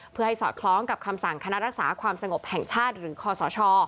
เพื่อให้สอดคล้องกับคำสั่งคณะรักษาความสงบแห่งชาติหรือคอสช